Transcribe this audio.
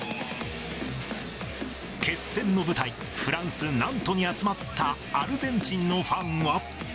決戦の舞台、フランス・ナントに集まったアルゼンチンのファンは。